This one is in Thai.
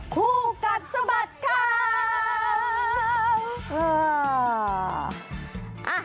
คู่กัดสะบัดข่าว